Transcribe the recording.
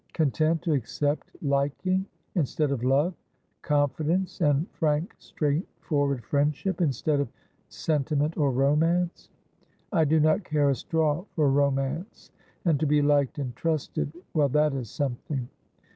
Content to accept liking instead of love ; confidence and frank straightforward friendship instead of senti ment or romance ?'' I do not care a straw for romance. And to be liked and trusted well, that is something.